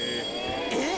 えっ！